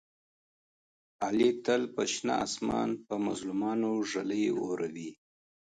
علي تل په شنه اسمان په مظلومانو ږلۍ اوروي.